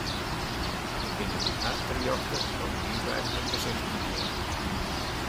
Jo kinne by har terjochte foar in wiidweidige gesichtsbehanneling.